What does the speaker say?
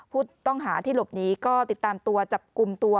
ผู้ต้องหาที่หลบหนีก็ติดตามตัวจับกลุ่มตัว